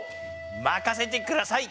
まかせてください！